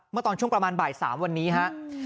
เมื่อตอนช่วงประมาณบ่าย๓วันนี้ครับ